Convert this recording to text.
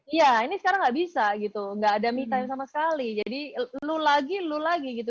iya ini sekarang tidak bisa tidak ada me time sama sekali jadi lulu lagi lulu lagi gitu